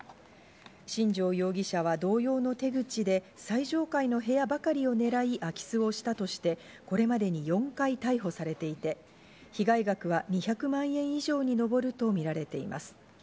新城容疑者は同様の手口で最上階の部屋ばかりを狙い、空き巣をしたとして、これまでに４回逮捕されていて、被害額は２００万円以上にのぼるとみられています。